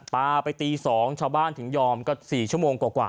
ปลาไปตี๒ชาวบ้านถึงยอมก็๔ชั่วโมงกว่า